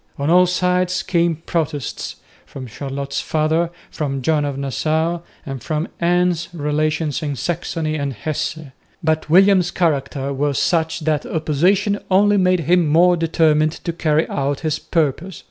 On all sides came protests from Charlotte's father, from John of Nassau, and from Anne's relations in Saxony and Hesse. But William's character was such that opposition only made him more determined to carry out his purpose.